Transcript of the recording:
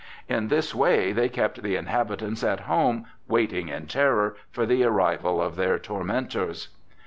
In this way they kept the inhabitants at home waiting in terror for the arrival of their tormentors.